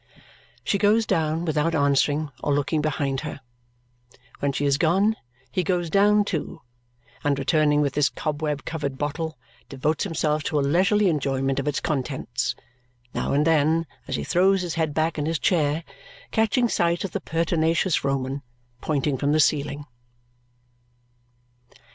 She goes down without answering or looking behind her. When she is gone, he goes down too, and returning with his cobweb covered bottle, devotes himself to a leisurely enjoyment of its contents, now and then, as he throws his head back in his chair, catching sight of the pertinacious Roman pointing from the ceiling.